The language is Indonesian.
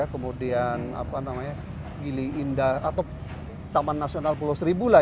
kemudian gili indah atau taman nasional pulau seribu lah